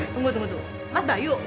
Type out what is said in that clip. tunggu tunggu tuh mas bayu